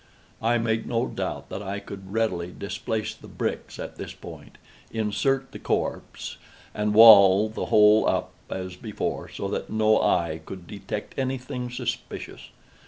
I made no doubt that I could readily displace the bricks at this point, insert the corpse, and wall the whole up as before, so that no eye could detect any thing suspicious.